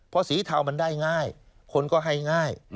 เพราะสีเทามันได้ง่ายคนก็ให้ง่าย